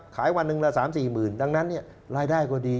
ขายวันหนึ่งละ๓๔หมื่นดังนั้นเนี่ยรายได้กว่าดี